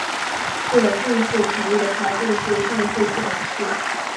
这近似成立的条件是上述不等式。